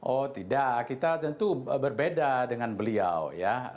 oh tidak kita tentu berbeda dengan beliau ya